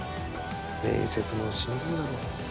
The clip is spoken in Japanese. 面接もしんどいよな。